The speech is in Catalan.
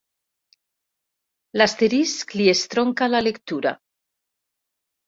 L'asterisc li estronca la lectura.